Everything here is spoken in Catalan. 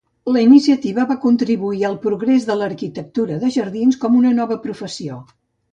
La iniciativa va contribuir al progrés de l'arquitectura de jardins com una nova professió.